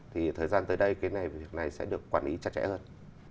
thời gian tới đây việc này sẽ được quản lý chặt chẽ hơn